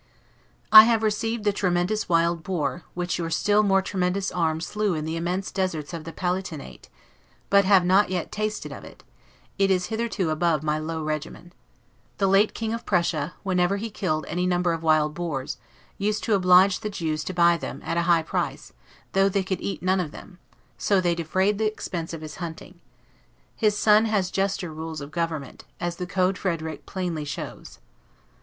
I have received the tremendous wild boar, which your still more tremendous arm slew in the immense deserts of the Palatinate; but have not yet tasted of it, as it is hitherto above my low regimen. The late King of Prussia, whenever he killed any number of wild boars, used to oblige the Jews to buy them, at a high price, though they could eat none of them; so they defrayed the expense of his hunting. His son has juster rules of government, as the Code Frederick plainly shows.